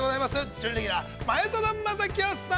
準レギュラー、前園真聖さん